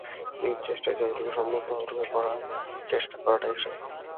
নিজ চেষ্টায় যতটুকু সম্ভব, ততটুকু পড়ার চেষ্টা করাটাই শ্রেয়।